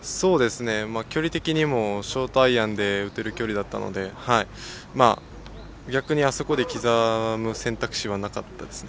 距離的にもショートアイアンで打てる距離だったので逆にあそこで刻む選択肢はなかったですね。